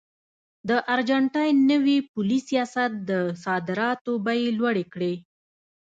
د ارجنټاین نوي پولي سیاست د صادراتو بیې لوړې کړې.